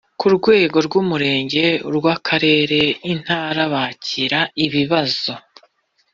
ku rwego rw ‘umurenge, urw ‘akarere, intara bakira ibibazo